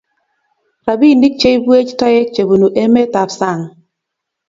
rapinik cheibwech taek chebunu emet ab sang